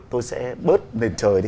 tôi sẽ bớt nền trời đi